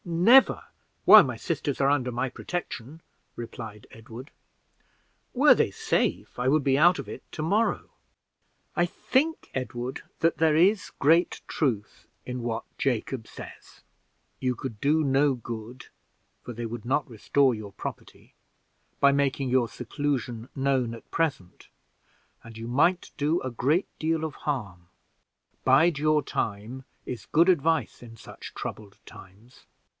"Never, while my sisters are under my protection," replied Edward; "were they safe, I would be out of it to morrow." "I think, Edward, that there is great truth in what Jacob says; you could do no good (for they would not restore your property) by making your seclusion known at present, and you might do a great deal of harm 'bide your time' is good advice in such troubled times.